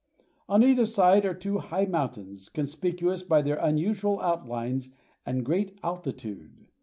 On either side are two high mountains, conspicuous by their unusual outlines and great altitude.